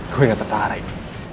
gue gak tertarik